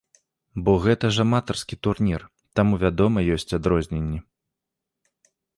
Бо гэта ж аматарскі турнір, таму вядома ёсць адрозненні.